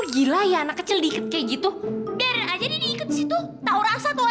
gila ya anak kecil dikit kayak gitu biarin aja di ikut situ tahu rasa kalau anak monster